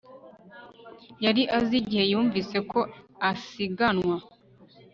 yari azi igihe yumvise ko asiganwa